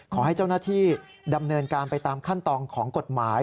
ขอให้เจ้าหน้าที่ดำเนินการไปตามขั้นตอนของกฎหมาย